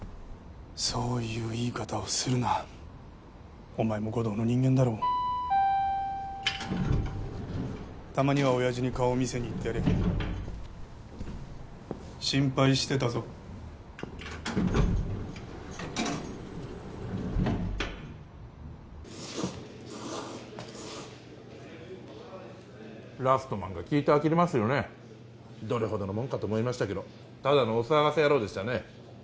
そういう言い方をするなお前も護道の人間だろたまには親父に顔見せに行ってやれ心配してたぞ「ラストマン」が聞いてあきれますよねどれほどのもんかと思いましたけどただのお騒がせ野郎でしたね